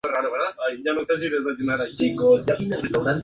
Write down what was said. Se encuentra muy próxima a la reserva provincial La Florida.